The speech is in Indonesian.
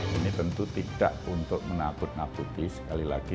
ini tentu tidak untuk menakut nakuti sekali lagi